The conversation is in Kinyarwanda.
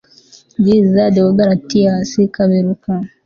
Ndiza Deogratias Kaberuka